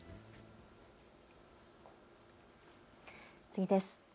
次です。